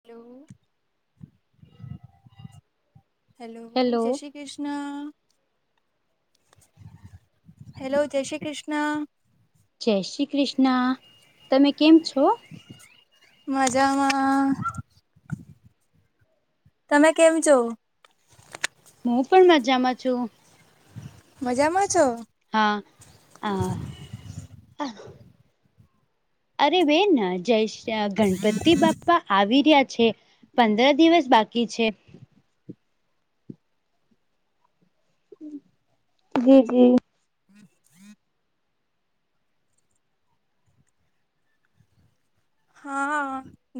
Hello hello જશી Krishna hello જય શ્રી ક્રિષ્ન જય શ્રી કૃષ્ણ તમે કેમ છો? મજામાં તમે કેમ છો? હું પણ મજામાં છું. મજામાં છો? હા હ હ અરે બેન જય શ્રી ગણપતિ બાપ બાપા આવી રહ્યા છે પંદર દિવસ બાકી છે જી જી હા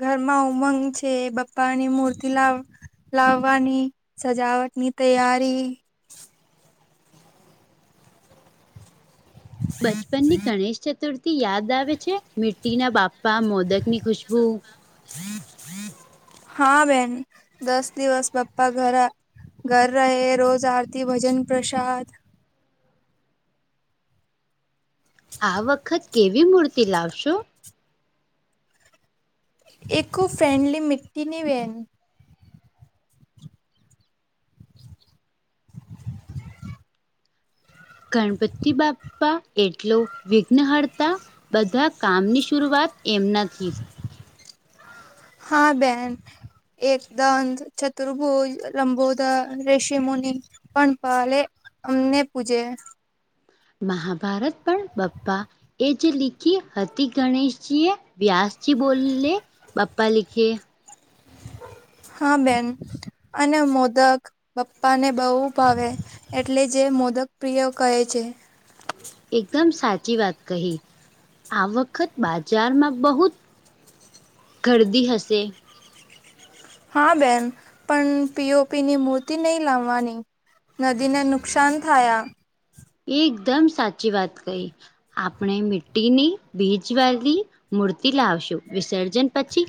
ઘરમાં ઉમંગ છે બપ્પા ની મૂર્તિ લાવ લાવવાની સજાવટ ની તૈયારી બચપન ની ગણેશ ચતુર્થી યાદ આવે છે મિટ્ટી ના બાપા મોદક ની ખુશ્બુ હા બેન દસ દિવસ બપ્પા ઘરે ઘર રહે રોજ આરતી ભજન પ્રસાદ આ વખત કેવી મૂર્તિ લાવશો? એઇકો ફ્રેન્ડલી મિટ્ટીની બેન ગણપતિ બાપા એટલો વિઘ્નહર્તા બધા કામની શરૂઆત એમનાથી હા બેહેન એકદંત, ચતુર્ભુજ, લંબોદર, ઋષી મુનિ પણ પલે અમને પૂજે મહાભારત પણ બપ્પા એ જે લીખી હતી ગણેશજી એ વ્યાસજી બોલી લે બાપા લિખે. હા બેન અને મોદક.. બપ્પાને બઉ ભાવે એટલે જ એ મોદક પ્રિય કહે છે. એકદમ સાચી વાત કહી આ વખત બાજારમાં બહુત.. ઘરદી હસે. હા બેન પણ પીઓપીની મૂર્તિ નઇ લાવવાની. નદીને નુકસાન થાયા. એકદમ સાચી વાત કહી આપણે મિ્ટીની બિજવાલી.. મૂર્તિ લાવશું વિસર્જન પછી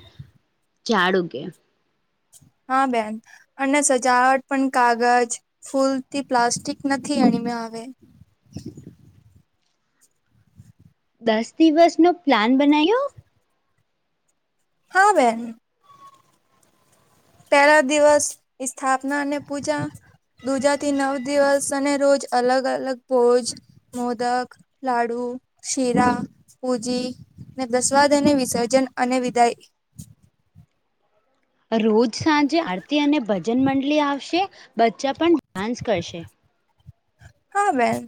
ઝાડ ઉગે. હા બેન અને સજાવટ પણ કાગજ ફૂલથી પ્લાસ્ટિક નથી એણીમે આવે. દસ દિવસનો પ્લાન બનાયો. હા બેન પેહલા દિવસ સ્થાપના અને પૂજા.. દુજાથી નવ દિવસ અને રોજ અલગ અલગ ભોજ.. મોદક, લાડુ, શીરા, પૂજી, ને દસવાદને વિસર્જન અને વિદાય. રોજ સાંજે આરતી અને ભજન મંડલી આવશે બચ્ચા પણ ડાન્સ કરશે. હા બેન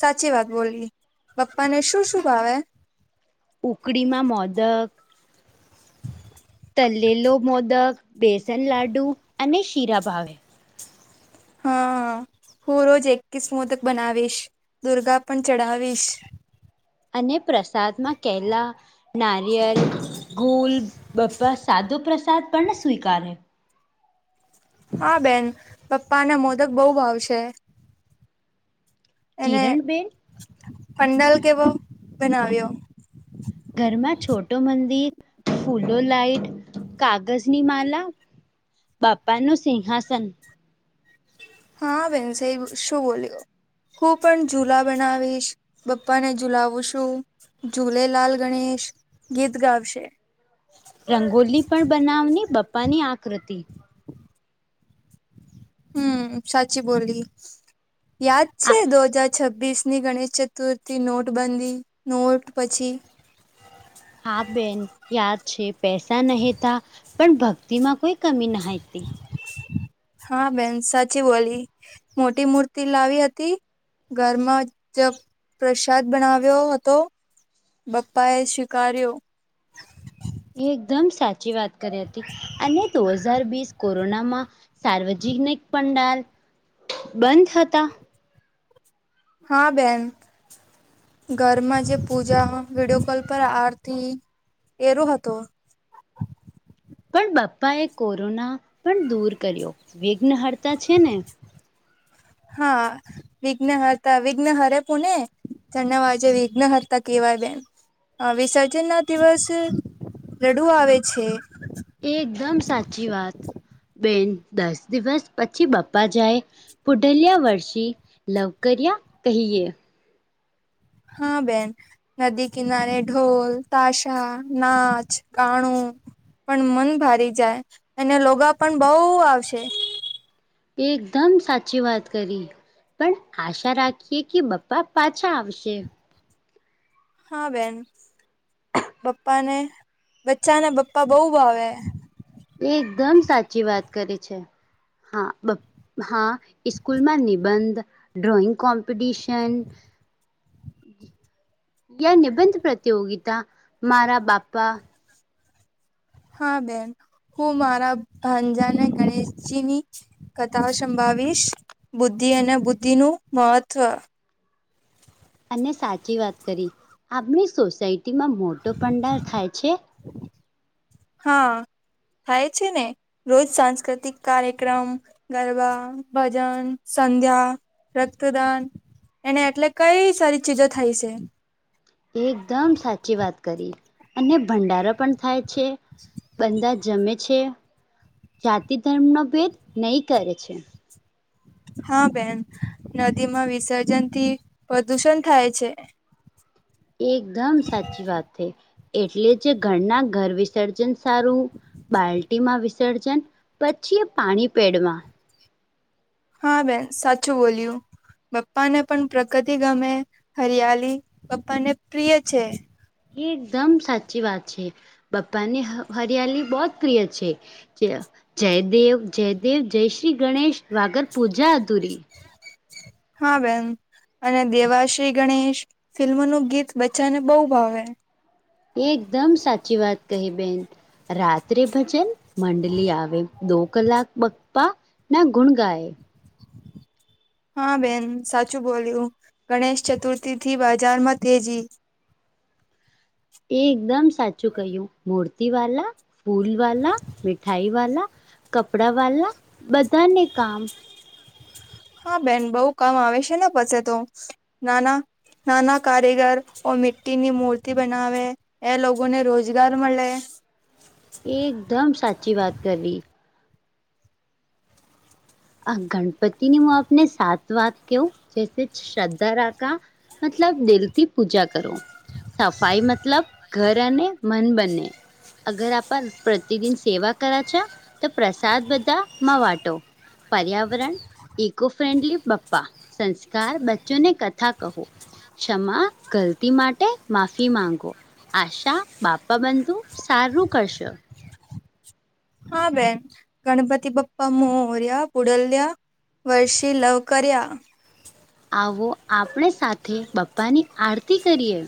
સાચી વાત બોલી પપ્પાને શું શું ભાવે.. ઉકડીમાં મોદક.. તલેલો મોદક, બેસન લાડુ, અને શીરા ભાવે. હા હું રોજ એકીસ મોદક બનાવીશ દુર્ગા પણ ચડાવીશ. અને પ્રસાદમાં કેલા, નારિયલ.. ગુલ બપ્પા સાદો પ્રસાદ પણ સ્વીકારે. હા બેન બપ્પાના મોદક બઉ ભાવસે. એને કિરણબેન પંડાલ કેવો બનાવ્યો. ઘરમાં છોટો મંદિર ફૂલો લાઈટ કાગજની માલા. બાપાનું સિહાસન. હાં બેેન સેવ શું બોલ્યો? હું પણ ઝુલા બનાવીશ બપ્પાને ઝુંલાવશું. ઝૂલેલાલ ગણેશ ગીત ગાવશે. રંગોલી પણ બનાવની બપ્પાની આકૃતિ. હું સાચી બોલી યાદ આ છે દો જા છબ્બિસની ગણેશ ચતુર્થી નોટબંધી નોટ પછી.. હા બેન યાદ છે પૈસા નહિતા પણ ભક્તિમાં કોઈ કમી નહતી. હા બેન સાચી બોલી મોટી મૂર્તિ લાવી હતી. ઘરમાં જ પ્રસાદ બનાવ્યો હતો. બપ્પાએ સ્વીકાર્યો. એકદમ સાચી વાત કરી હતી અને દો હજાર બિસ કોરોનામાં.. સાર્વજનિક પંડાલ બંધ હતા. હા બેન ઘરમાં જે પૂજા વિડીયો કોલ પર આરતી એરો હતો. પણ બાપ્પા એ કોરોના પણ દૂર કર્યો વિઘ્ન હર્તા છે ને. હા વિઘ્ન હરતા વિઘ્ન હરે પુને. ચને વાજે વિઘ્ન હરતા કેવાય બેન. અ વિસર્જન ના દિવસે રડુ આવે છે. એકદમ સાચી વાત બેન દસ દિવસ પછી બપ્પા જાય.. પુઢલીયા વર્ષી લોકરિયા કહીયે. હા બેન. નદી કિનારે ઢોલ-તાશા, નાચ-ગાણું. પણ મન ભરી જાય અને લોગા પણ બહુ આવશે. એકદમ સાચી વાત કરી. પણ આશા રાખીએ કે પપ્પા પાછા આવશે. હા બેન, બાપ્પાને બચ્ચા ને બાપ્પા બહુ ભાવે. એકદમ સાચી વાત કરી છે, હા બાપ્પા હા સ્કૂલમાં નિબંધ, ડ્રોઈંગ કોપીડિશન. યા નિબંધ પ્રતયોગિતા મારા બાપા. હા બેન, હું મારા ભાંજાને ગણેશજીની.. કથાઓ સંભળાવીશ, બુદ્ધિ અને બુદ્ધિનું મહત્વ. અને સાચી વાત કરી, આપણી સોસાયટીમાં મોટો પંડાલ થાય છે. હા, થાય છે ને. રોજ સાંસ્કૃતિક કાર્યક્રમ, ગરબા, ભજન-સંધ્યા. રક્તદાન અને એટલે કઈ સારી ચીજો થાય છે. એકદમ સાચી વાત કરી, અને ભંડારો પણ થાય.. છે, બધા જમે છે. જાતિ-ધર્મનો ભેદ નહિ કરે છે. હા બેન, નદીમાં વિસર્જનથી પ્રદૂષણ થાય છે. એકદમ સાચી વાત થઈ, એટલે જ ઘરના ઘર વિસર્જન સારું. બાલ્ટીમાં વિસર્જન પછી પાણી પેડમાં. હા બેન, સાચું બોલ્યું. બપ્પાને પણ પ્રગતિ ગમે, હરિયાળ બપ્પાને પ્રિય છે. એકદમ સાચી વાત છે, બાપાને હરિયાળ બહુ પ્રિય છે. જય દેવ જય દેવ, જય શ્રી ગણેશ. વાઘર પૂજા અધૂરી. હા બેન. અને દેવાશ્રી ગણેશ ફિલ્મનું ગીત બચ્ચાને બહુ ભાવે. એકદમ સાચી વાત કહી, બેન. રાત્રે ભજન મંડળી આવે, દો કલાક બાપ્પા. ના, ગુણ ગાય. હા બેન, સાચું બોલ્યું. ગણેશ ચતુર્થીથી બજારમાં તેજી. એકદમ સાચું કહ્યું, મૂર્તિવાલા, ફૂલવાલા મીઠાઈવાલા. કપડાવાલા, બધાને કામ. હા બેન, બહુ કામ આવે છે ને, પછી તો નાના નાના કારીગર મીટીની મૂર્તિ બનાવે. એ લોકોને રોજગાર મલે. એકદમ સાચી વાત કરી. આ ગણપતિને આપણે સાચી વાત ક્યો જેસે શ્રદ્ધા રાખીએ. મતલબ દિલથી પૂજા કરો. સફાઈ મતલબ ઘર અને મન બંને. અગર આપણ પ્રતિદિન સેવા કરીએ છીએ તો પ્રસાદ બધામાં વાટુ. પર્યાવરણ, ઈકો-ફ્રેન્ડલી બાપ્પા, સંસ્કાર, બચ્ચો ને કથા કહો. ક્ષમા, ગલતી માટે માફી માંગો. આશા, બાપા બધું સારું કરશો. હા બેન, ગણપતિ બાપ્પા મોરયા, પુઢચ્યા વર્ષી લવકરીયા. આવો, આપણે સાથે બાપ્પાની આરતી કરીએ.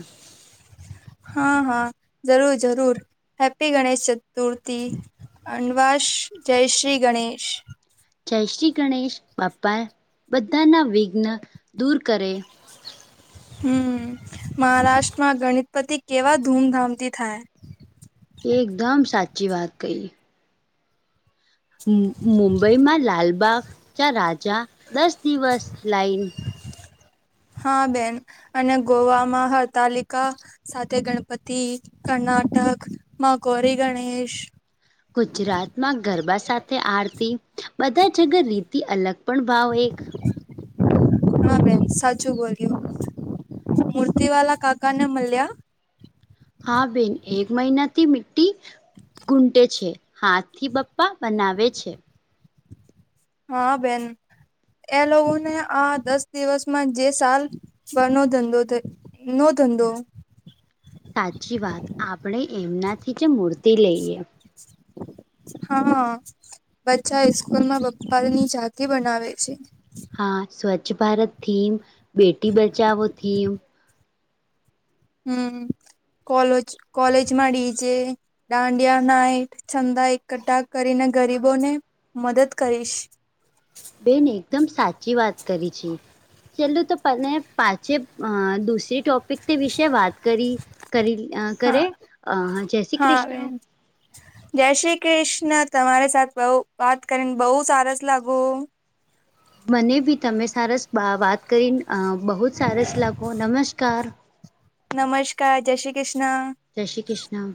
હા હા જરૂર જરૂર હેપ્પી ગણેશ ચતુર્થી. [unintelligible] જય શ્રી ગણેશ. જય શ્રી ગણેશ બાપ્પા બધાના વિઘ્ન દૂર કરે. હમ મહારાષ્ટ્રમાં ગણપતિ કેવા ધૂમધામથી થાય. એકદમ સાચી વાત કહી. મુંબઈમાં લાલબાગ ચા રાજા દસ દિવસ લાઈન હા બેન અને ગોવામાં હરતાલિકા સાથે ગણપતિ કર્ણાટક માં ગૌરી ગણેશ ગુજરાતમાં ગરબા સાથે આરતી બધા જગ રીતી અલગ પણ ભાવ એક [inaudible] હા બેન સાચું બોલ્યું મૂર્તિ વાલા કાકા ને મળ્યા? હા બેન એક મહિના થી મિટ્ટી ઘૂંટે છે હાથ થી બપ્પા બનાવે છે. હા બેન એ લોકોને આ દસ દિવસમાં જે સાલ ફનો ધંધો ઈનો ધંધો સાચી વાત આપણે એમનાથી જે મૂર્તી લઈએ. હ બચ્ચા સ્કૂલમાં બપ્પા ની ઝાંકી બનાવે છે. હા સ્વચ્છ ભારત થીમ બેટી બચાવો થીમ. હમ કોલેજ કોલેજમાં ડીજે દાંડિયા નાઈટ ચંદા એકઠા કરીને ગરીબોને મદદ કરીશ. બેન એકદમ સાચી વાત કરી છે. ચલું તો તને પાચે અ દુસરી ટોપિક વિશે ને વાત કરી. કરી હા કરે અ જય શ્રી હા કૃષ્ણ. બેન જય શ્રી કૃષ્ણ તમારી સાથે બઉ વાત કરીને બહુ સારસ લાગુ. મને બી તમે સરસ બા વાત કરીન બહુ જ સારસ લાગો નમસ્કાર. નમસ્કાર, જય શ્રી કૃષ્ણ. જય શ્રી કૃષ્ણ.